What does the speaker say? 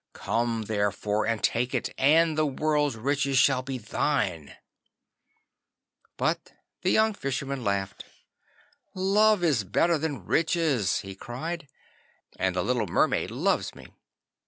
Come therefore and take it, and the world's riches shall be thine.' But the young Fisherman laughed. 'Love is better than Riches,' he cried, 'and the little Mermaid loves me.